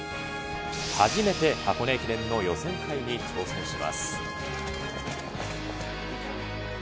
初めて箱根駅伝の予選会に挑戦します。